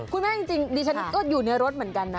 คุณแม่จริงดิฉันก็อยู่ในรถเหมือนกันนะ